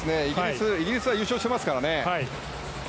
イギリスは優勝してますからね。